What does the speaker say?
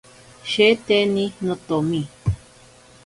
Sheteni notomi.